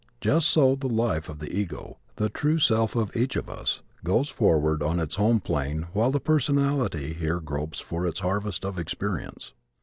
Just so the life of the ego the true self of each of us goes forward on its home plane while the personality here gropes for its harvest of experience.